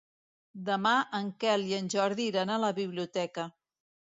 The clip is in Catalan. Demà en Quel i en Jordi iran a la biblioteca.